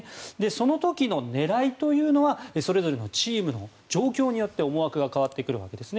その時の狙いというのはそれぞれのチームの状況によって思惑が変わってくるわけです。